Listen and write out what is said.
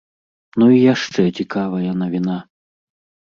Ну і яшчэ цікавая навіна.